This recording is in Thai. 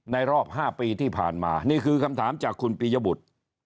รอบ๕ปีที่ผ่านมานี่คือคำถามจากคุณปียบุตร